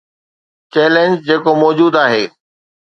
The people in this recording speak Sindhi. چئلينج جيڪو موجود آهي.